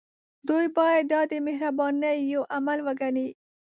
دوی باید دا د مهربانۍ يو عمل وګڼي.